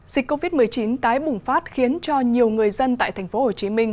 dịch covid một mươi chín tái bùng phát khiến cho nhiều người dân tại thành phố hồ chí minh